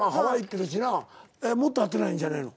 もっと会ってないんじゃないの？